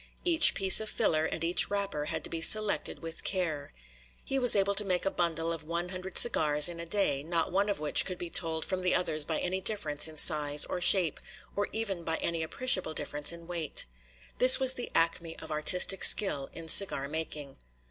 Each piece of filler and each wrapper had to be selected with care. He was able to make a bundle of one hundred cigars in a day, not one of which could be told from the others by any difference in size or shape, or even by any appreciable difference in weight. This was the acme of artistic skill in cigar making.